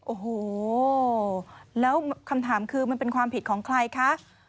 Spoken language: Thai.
โอ้โหแล้วคำถามคือมันเป็นความผิดของใครคะ